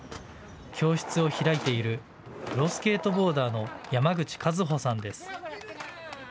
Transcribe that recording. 教室を開いているプロスケートボーダーの山口一帆さんです。